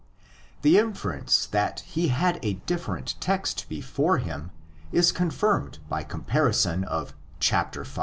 } The inference that he had a dif ferent text before him is confirmed by comparison of v.